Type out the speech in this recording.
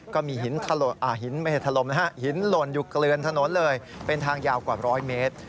ก็มีหินล่นอยู่เกลือนถนนเลยเป็นทางยาวกว่า๑๐๐เมตร